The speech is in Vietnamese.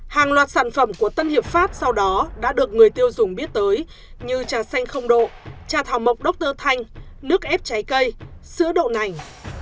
hàng loạt sản phẩm của tân hiệp pháp sau đó đã được người tiêu dùng biết tới như trà xanh không độ trà thảo mộc đốc tơ thanh nước ép trái cây sữa đậu nành